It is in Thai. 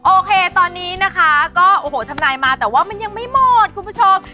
โอเคตอนนี้ทำนายมาแต่ว่ามันยังไม่หมดคุณผู้ชม